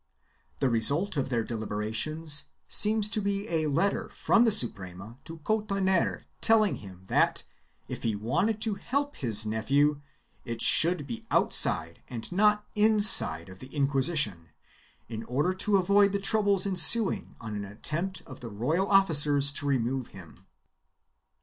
The result of their delib erations seems to be a letter from the Suprema to Cotoner telling him that, if he wanted to help his nephew, it should be outside and not inside of the Inquisition, in order to avoid the troubles ensuing on an attempt of the royal officers to remove him.